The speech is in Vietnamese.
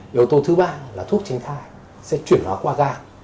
yếu tố thứ ba là thuốc tránh thai sẽ chuyển nó qua gan